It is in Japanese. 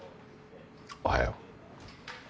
おはよう。